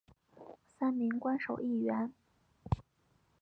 三名官守议员。